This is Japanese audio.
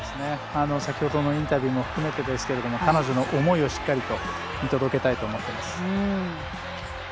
先ほどのインタビューも含めてですけれども彼女の思いをしっかり見届けたいと思っています。